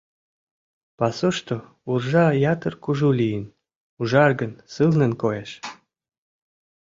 Пасушто уржа ятыр кужу лийын, ужаргын, сылнын коеш.